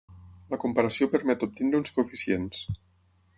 La comparació permet obtenir uns coeficients.